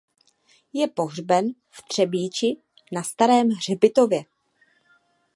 Je pohřben v Třebíči na Starém hřbitově.